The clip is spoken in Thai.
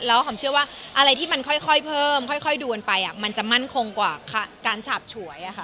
หอมเชื่อว่าอะไรที่มันค่อยเพิ่มค่อยดูกันไปมันจะมั่นคงกว่าการฉาบฉวยค่ะ